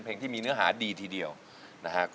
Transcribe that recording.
เพลงที่เจ็ดเพลงที่แปดแล้วมันจะบีบหัวใจมากกว่านี้